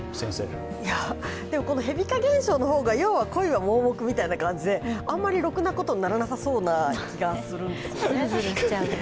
でもこの蛇化現象の方が恋は盲目みたいな感じであんまりろくなことにならなそうな気がするんですよね。